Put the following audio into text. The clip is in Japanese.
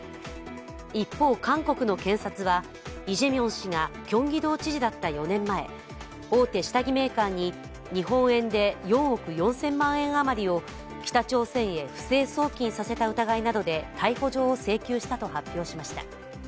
一方、韓国の検察は、イ・ジェミョン氏がキョンギド知事だった４年前、大手下着メーカーに日本円で４億４０００万円余りを北朝鮮へ不正送金させた疑いなどで逮捕状を請求したと発表しました。